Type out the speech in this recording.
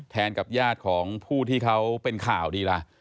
กับญาติของผู้ที่เขาเป็นข่าวดีล่ะ